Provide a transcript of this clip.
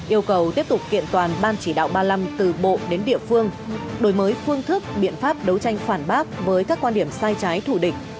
yêu cầu tiếp tục kiện toàn ban chỉ đạo ba mươi năm từ bộ đến địa phương đổi mới phương thức biện pháp đấu tranh phản bác với các quan điểm sai trái thủ địch